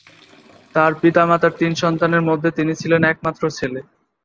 তাঁর পিতা-মাতার তিন সন্তানের মধ্যে তিনি ছিলেন একমাত্র ছেলে।